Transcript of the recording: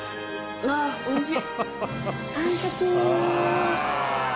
あおいしい！